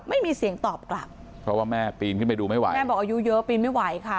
ไม่มีเสียงตอบกลับเพราะว่าแม่ปีนขึ้นไปดูไม่ไหวแม่บอกอายุเยอะปีนไม่ไหวค่ะ